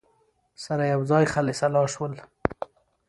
سره یوځای خلع سلاح شول